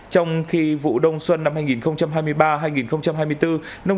trong khi vụ lúa đông xuân nông dân mất hơn hai mươi đồng nông dân mất hơn hai mươi đồng